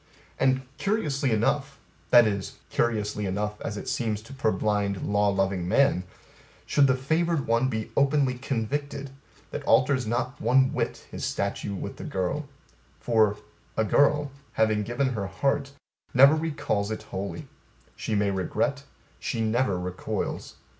And, Curiously enough, that is, curiously enough as it seems to purblind law loving man, should the favored one be openly convicted, that alters not one whit his statue with the girl; for, A girl, having given her heart, never recalls it not wholly: she may regret; she never recoils.